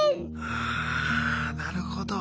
ああなるほど。